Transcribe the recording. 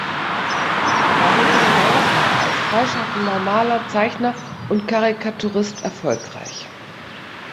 Darüber hinaus war er als freischaffender Maler, Zeichner und Karikaturist erfolgreich.